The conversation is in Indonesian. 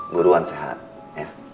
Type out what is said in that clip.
buruan sehat ya